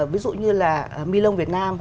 ví dụ như là milong việt nam